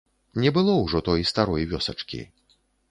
Не было ўжо той старой вёсачкі.